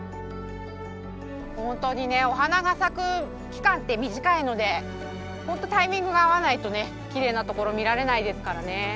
本当にねお花が咲く期間って短いので本当タイミングが合わないときれいなところ見られないですからね。